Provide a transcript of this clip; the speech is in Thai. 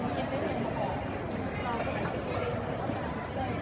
พี่แม่ที่เว้นได้รับความรู้สึกมากกว่า